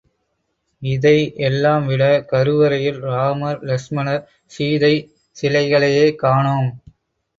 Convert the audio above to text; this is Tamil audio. இதை எல்லாம் விட கருவறையில் ராமர், லக்ஷ்மணர், சீதை சிலைகளையே காணோம்.